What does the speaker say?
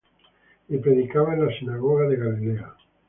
Y predicaba en las sinagogas de Galilea.